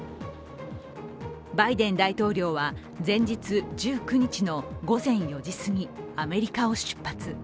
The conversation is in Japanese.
バイデン大統領は前日１９日の午前４時すぎ、アメリカを出発。